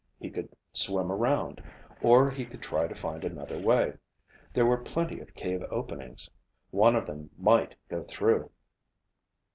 He could swim around, or he could try to find another way. There were plenty of cave openings. One of them might go through.